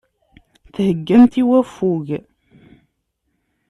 Theggamt i waffug.